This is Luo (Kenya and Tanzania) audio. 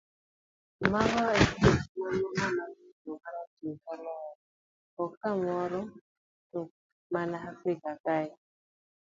Mago epek ma ng'ama miyo marateng kaloe, ok kamoro to mana Afrika kae.